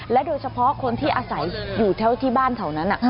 และโดยเฉพาะคนที่อาศัยอยู่เท่าที่บ้านเท่านั้น